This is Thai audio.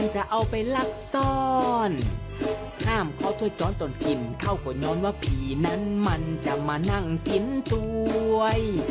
โดยนอนว่าผีนั้นมันจะมานั่งกินถ่วย